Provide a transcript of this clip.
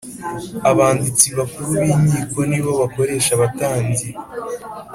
Abanditsi bakuru b inkiko nibo bakoresha abatambyi